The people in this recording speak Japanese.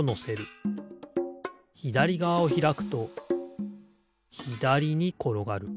ひだりがわをひらくとひだりにころがる。